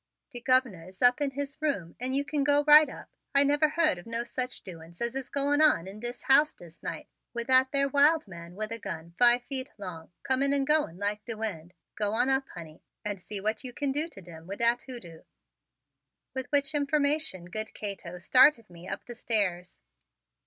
"De Governor is up in his room and you kin go right up. I never heard of no such doings as is going on in dis house dis night with that there wild man with a gun five feet long, coming and going like de wind. Go on up, honey, and see what you kin do to dem with dat hoodoo." With which information good Cato started me up the stairs.